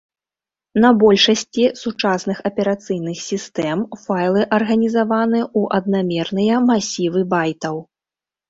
На большасці сучасных аперацыйных сістэм, файлы арганізаваны ў аднамерныя масівы байтаў.